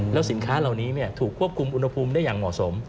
แล้วสินค้าเหล่านี้ถูกควบคุมอุณหภูมิได้อย่างเหมาะสม